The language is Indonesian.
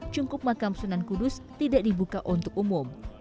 cungkup makam sunan kudus tidak dibuka untuk umum